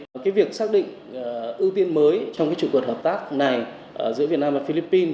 cái việc xác định ưu tiên mới trong trụ cột hợp tác này giữa việt nam và philippines